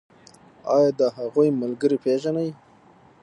ایا د هغوی ملګري پیژنئ؟